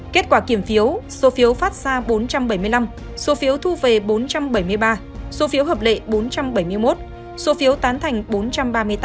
kết quả kiểm phiếu số phiếu phát ra bốn trăm bảy mươi năm số phiếu thu về bốn trăm bảy mươi ba số phiếu hợp lệ bốn trăm bảy mươi một số phiếu tán thành bốn trăm ba mươi tám